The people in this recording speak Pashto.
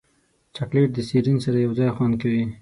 چاکلېټ د سیرین سره یوځای خوند کوي.